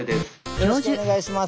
よろしくお願いします